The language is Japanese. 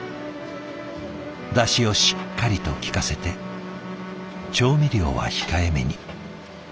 だしをしっかりと効かせて調味料は控えめに。